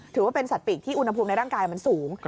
ถือว่าเป็นสัตว์ปีกที่อุณหภูมิในร่างกายมันสูง